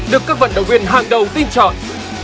được các vận động viên hàng đầu tin chọn